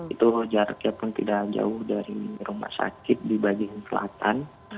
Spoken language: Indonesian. itu jaraknya pun tidak jauh dari rumah sakit di bagian selatan